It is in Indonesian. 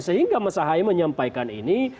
sehingga mas ahaye menyampaikan ini